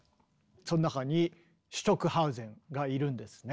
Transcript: その中にシュトックハウゼンがいるんですね。